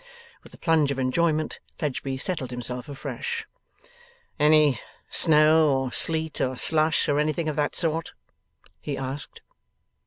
With a plunge of enjoyment, Fledgeby settled himself afresh. 'Any snow, or sleet, or slush, or anything of that sort?' he asked.